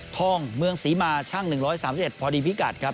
ท่องเมืองศรีมาช่างหนึ่งร้อยสามสิบเอ็ดพอดีพิกัดครับ